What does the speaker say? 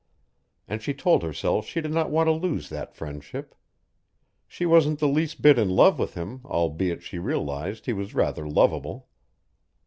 And she told herself she did not want to lose that friendship. She wasn't the least bit in love with him albeit she realized he was rather lovable.